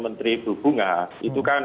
menteri bu bunga itu kan